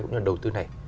cũng như là đầu tư này